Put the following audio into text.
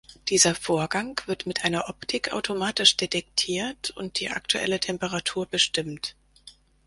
Dieser Vorgang wird mit einer Optik automatisch detektiert und die aktuelle Temperatur bestimmt.